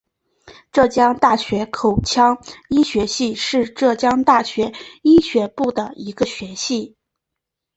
浙江大学口腔医学系是浙江大学医学部的一个学系。